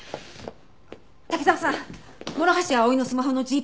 滝沢さん諸橋葵のスマホのＧＰＳ